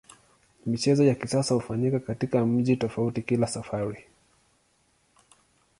Michezo ya kisasa hufanyika katika mji tofauti kila safari.